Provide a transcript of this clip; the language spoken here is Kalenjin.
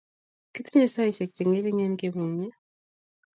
Kitinye saishek chengering kemungye